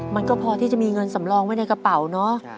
มันก็พอที่จะมีเงินสำรองไว้ในกระเป๋าเนอะ